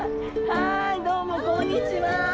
はいどうもこんにちは。